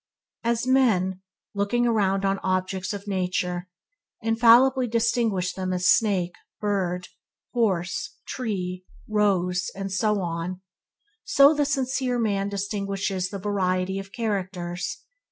As men, looking around on the objects of nature, infallibly distinguish them such as a snake, a bird, a horse, a tree, a rose, and so on – so the sincere man distinguishes between the variety of characters.